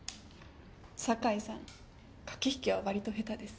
堺さん駆け引きはわりと下手です。